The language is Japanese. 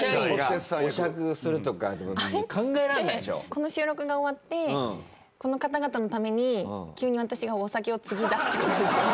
この収録が終わってこの方々の為に急に私がお酒をつぎだすって事ですよね？